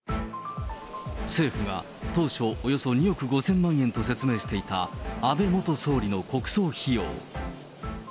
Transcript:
政府が当初およそ２億５０００万円と説明していた安倍元総理の国葬費用。